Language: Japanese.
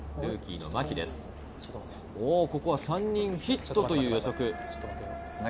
３人ヒットという予測。